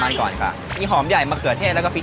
น้ำอ่านี่คือซอสสูตรเมื่อกี้ที่แม่ต้อยบอกไป